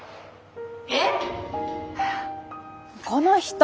えっ！？